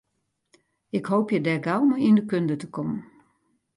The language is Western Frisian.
Ik hoopje dêr gau mei yn de kunde te kommen.